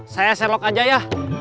saya serok aja ya